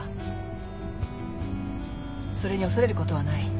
それに恐れることはない。